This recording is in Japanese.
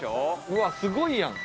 うわっすごいやん！